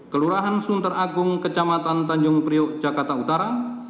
kelurahan sunter agung kecamatan tanjung priuk jakarta utara